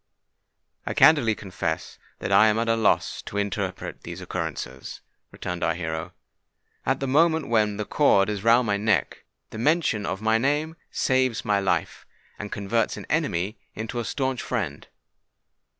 "I candidly confess that I am at a loss to interpret these occurrences," returned our hero. "At the moment when the cord is round my neck, the mention of my name saves my life, and converts an enemy into a stanch friend.